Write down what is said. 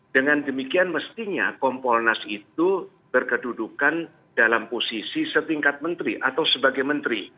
dengan demikian mestinya kompolnas itu berkedudukan dalam posisi setingkat menteri atau sebagai menteri